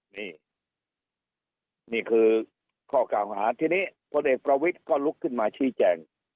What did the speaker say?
นี่นี่คือข้อกล่าวหาทีนี้พลเอกประวิทย์ก็ลุกขึ้นมาชี้แจง